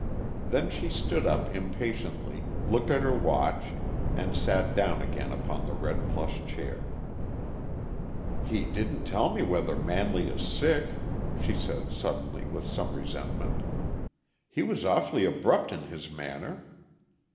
Then she stood up impatiently, looked at her watch, and sat down again upon the red plush chair. "He didn't tell me whether Manley is sick," she said suddenly, with some resentment. "He was awfully abrupt in his manner.